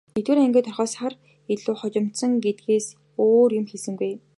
Нэгдүгээр ангид ороход сар илүү хожимдсон гэдгээс өөр юм хэлсэнгүй.